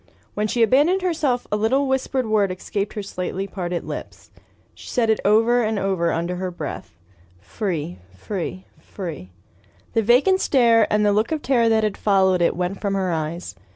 When she abandoned herself a little whispered word escaped her slightly parted lips. She said it over and over under her breath: "free, free, free!" The vacant stare and the look of terror that had followed it went from her eyes.